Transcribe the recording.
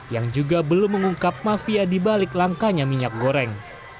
yang juga belum mengungkap mafia dibalik langkanya minyak goreng